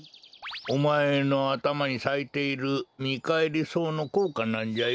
おまえのあたまにさいているミカエリソウのこうかなんじゃよ。